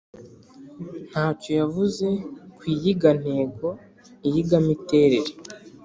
Ntacyo yavuze ku iyigantego/iyigamiterere,